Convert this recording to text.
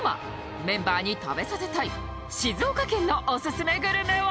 メンバーに食べさせたい静岡県のオススメグルメは？